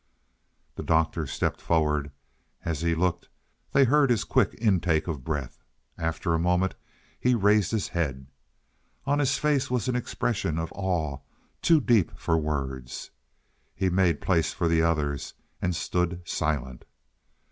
The Doctor stepped forward. As he looked they heard his quick intake of breath. After a moment he raised his head. On his face was an expression of awe too deep for words. He made place for the others, and stood silent.